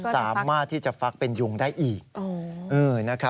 สามารถที่จะฟักเป็นยุงได้อีก